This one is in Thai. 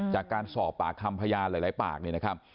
จากการสอบปากคำพยาฟังหลายรายปาก